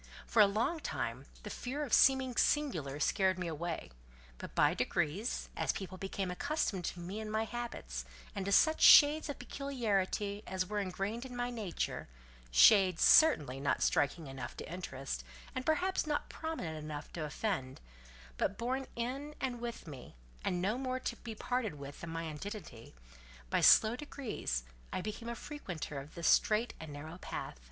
For a long time the fear of seeming singular scared me away; but by degrees, as people became accustomed to me and my habits, and to such shades of peculiarity as were engrained in my nature—shades, certainly not striking enough to interest, and perhaps not prominent enough to offend, but born in and with me, and no more to be parted with than my identity—by slow degrees I became a frequenter of this strait and narrow path.